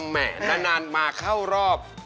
แหม่นานมาเข้ารอบ